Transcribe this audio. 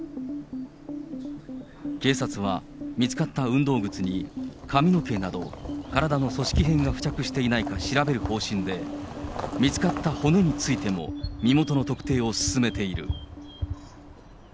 警察は、見つかった運動靴に髪の毛など、体の組織片が付着していないか調べる方針で、見つかった骨についても、身元の特定を進めている。